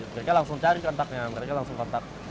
mereka langsung cari rentaknya mereka langsung rentak